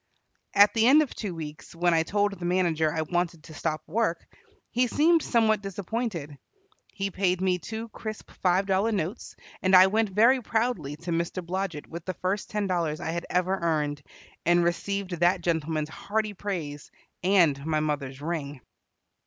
At the end of two weeks, when I told the manager I wanted to stop work, he seemed somewhat disappointed. He paid me two crisp five dollar notes, and I went very proudly to Mr. Blodget with the first ten dollars I had ever earned, and received that gentleman's hearty praise, and my mother's ring.